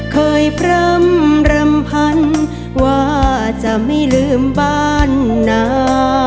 พร่ำรำพันว่าจะไม่ลืมบ้านนา